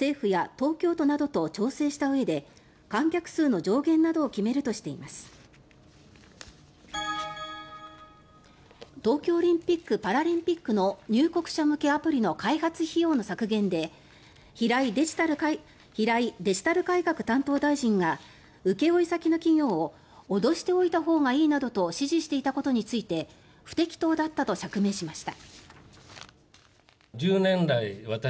東京オリンピック・パラリンピックの入国者向けアプリの開発費用削減で平井デジタル改革担当大臣が請負先の企業を脅しておいたほうがいいなどと指示していたことについて不適当だったと釈明しました。